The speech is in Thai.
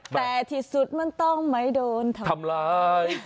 แต่ที่สุดมันต้องไม่โดนทำร้าย